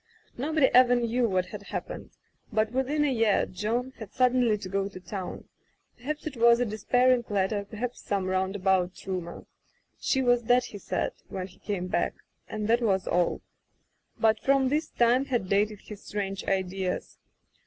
Nobody ever knew what had happened, but within the year John had suddenly to go to town — per haps it was a despairing letter, perhaps some roundabout rumor. She was dead, he said, when he came back; and that was all. But from this time had dated his strange ideas.